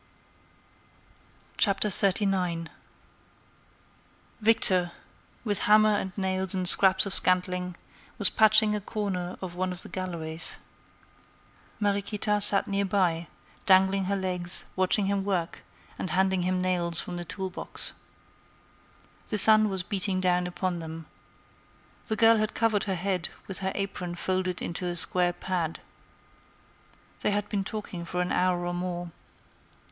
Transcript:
XXXIX Victor, with hammer and nails and scraps of scantling, was patching a corner of one of the galleries. Mariequita sat near by, dangling her legs, watching him work, and handing him nails from the tool box. The sun was beating down upon them. The girl had covered her head with her apron folded into a square pad. They had been talking for an hour or more.